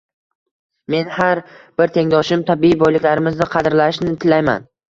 Men har bir tengdoshim tabiiy boyliklarimizni qadrlashini tilayman